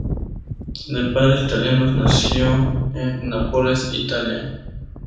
De padres italianos, nació en Nápoles, Italia.